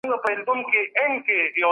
لرغوني تاریخپوهان د کندهار یادونه کوي.